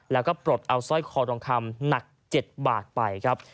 แล้วก็ปลดเอาสร้อยคอทองคำหนัก๗บาทไปครับ